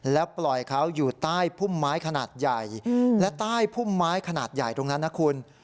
แล้วปล่อยเขาอยู่ใต้พุ่มไม้ขนาดใหญ่และใต้พุ่มไม้ขนาดใหญ่ตรงนั้นนะคุณ